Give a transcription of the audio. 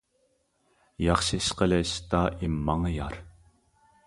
ياخشى ئىش قىلىش، دائىم ماڭا يار.